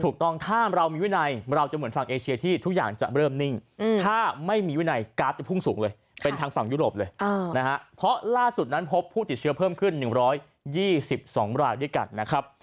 เพราะล่าสุดนั้นพบผู้ติดเชื้อเพิ่มขึ้น๑๒๒รายด้วยกันนะครับ